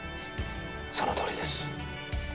そのとおりです。